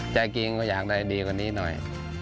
ใจจริงก็อยากได้ดีกว่านี้หน่อย